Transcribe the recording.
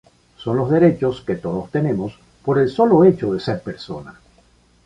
Son los derechos que todos tenemos, por el solo hecho de ser persona.